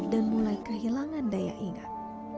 dan mulai kehilangan daya ingat